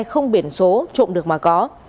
không biển số trộm được mà có